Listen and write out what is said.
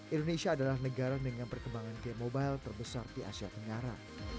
indonesia adalah negara dengan perkembangan game mobile terbesar di asia tenggara